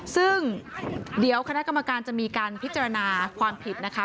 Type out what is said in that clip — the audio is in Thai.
ซึ่งเดี๋ยวคณะกรรมการจะมีการพิจารณาความผิดนะคะ